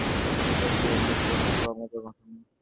সাহস করে মুখের দিকে চেয়ে দেখলুম, সে মুখ বুদ্ধিতে কোমলতা মাখানো।